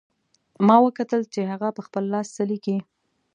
ما وکتل چې هغه په خپل لاس څه لیکي